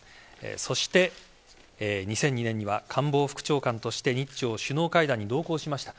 そして、２００２年には官房副長官として日朝首脳会談に同行しました。